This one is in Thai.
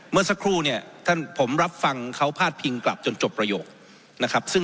เมื่อสักครู่เนี่ยท่านผมรับฟังเขาพาดพิงกลับจนจบประโยคนะครับ